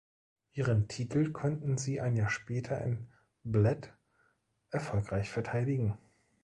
Ihren Titel konnten sie ein Jahr später in Bled erfolgreich verteidigen.